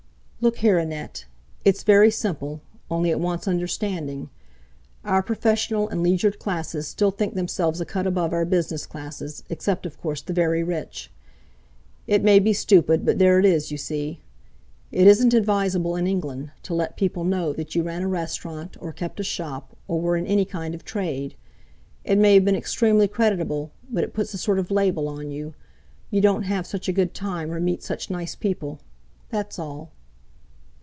"Look here, Annette! it's very simple, only it wants understanding. Our professional and leisured classes still think themselves a cut above our business classes, except of course the very rich. It may be stupid, but there it is, you see. It isn't advisable in England to let people know that you ran a restaurant or kept a shop or were in any kind of trade. It may have been extremely creditable, but it puts a sort of label on you; you don't have such a good time, or meet such nice people—that's all."